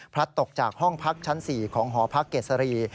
ตกจากห้องพักชั้น๔ของหอพักเกษรี